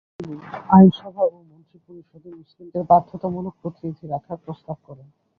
তিনি আইনসভা ও মন্ত্রিপরিষদে মুসলিমদের বাধ্যতামূলক প্রতিনিধি রাখার প্রস্তাব করেন।